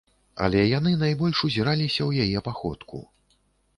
Але яны найбольш узіраліся ў яе паходку.